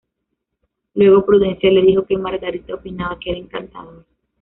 Luego Prudencia le dijo que Margarita opinaba que era encantador.